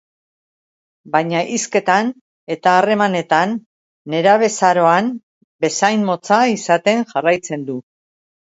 baina hizketan eta harremanetan nerabezaroan bezain motza izaten jarraitzen du.